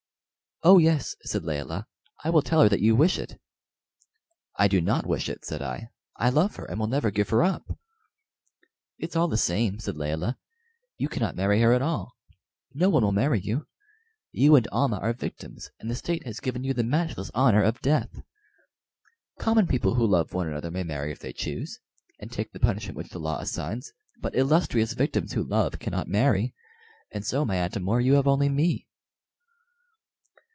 "Oh yes," said Layelah; "I will tell her that you wish it." "I do not wish it," said I. "I love her, and will never give her up." "It's all the same," said Layelah. "You cannot marry her at all. No one will marry you. You and Almah are victims and the State has given you the matchless honor of death. Common people who love one another may marry if they choose, and take the punishment which the law assigns but illustrious victims who love cannot marry, and so, my Atam or, you have only me."